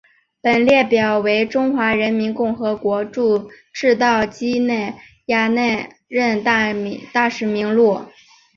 本列表为中华人民共和国驻赤道几内亚历任大使名录。